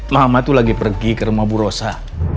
mama tuh lagi pergi ke rumah bu rosa